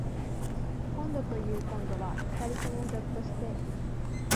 こんどというこんどは二人ともぎょっとして